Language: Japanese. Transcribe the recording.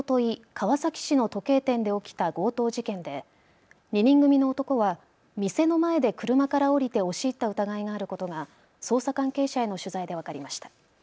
川崎市の時計店で起きた強盗事件で２人組の男は店の前で車から降りて押し入った疑いがあることが捜査関係者への取材で分かりました。